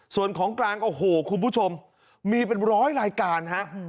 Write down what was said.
ส่วนของกลางโอ้โหคุณผู้ชมมีเป็นร้อยรายการฮะ